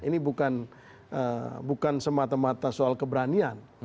ini bukan semata mata soal keberanian